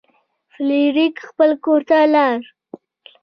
فلیریک خپل کور ته لاړ.